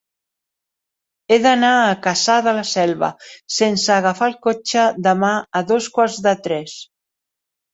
He d'anar a Cassà de la Selva sense agafar el cotxe demà a dos quarts de tres.